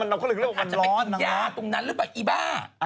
มันอาจจะไปกินย่าตรงนั้นหรือเปล่าอีบ้า